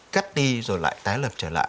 cắt đi rồi lại tái lập trở lại